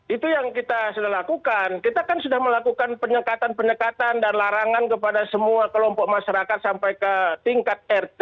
itu yang kita sudah lakukan kita kan sudah melakukan penyekatan penyekatan dan larangan kepada semua kelompok masyarakat sampai ke tingkat rt